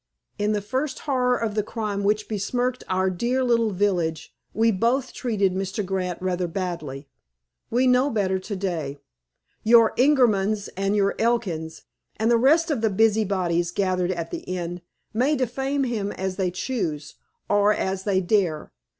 In the first horror of the crime which has besmirched our dear little village, we both treated Mr. Grant rather badly. We know better to day. Your Ingermans and your Elkins, and the rest of the busybodies gathered at the inn, may defame him as they choose, or as they dare.